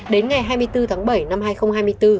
đến ngày hai mươi bốn tháng bảy năm hai nghìn hai mươi bốn